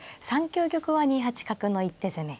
３九玉は２八角の一手詰め。